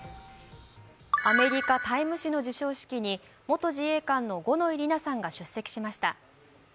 アメリカ「タイム」誌の授賞式に元自衛官の五ノ井里奈さんが出席しました。